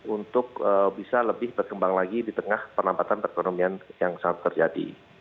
untuk bisa lebih berkembang lagi di tengah penampatan perekonomian yang saat ini terjadi